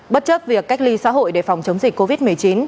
bất chấp việc cách ly xã hội để phòng chống dịch covid một mươi chín